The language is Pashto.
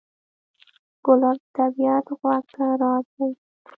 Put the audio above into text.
ګلاب د طبیعت غوږ ته راز وایي.